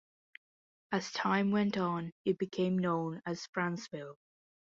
As time went on, it became known as Franceville.